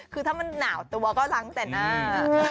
คือถ้ามันหนาวตัวก็ล้างแต่หน้า